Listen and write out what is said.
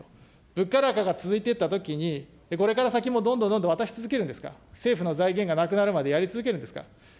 物価高が続いていったときに、これから先もどんどんどんどん渡し続けるんですか、政府の財源がなくなるまで、やり続けるんですか。